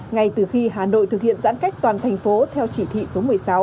ngay từ khi hà nội thực hiện giãn cách toàn thành phố theo chỉ thị số một mươi sáu